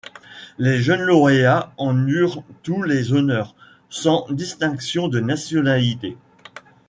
Les jeunes lauréats en eurent tous les honneurs, sans distinction de nationalité.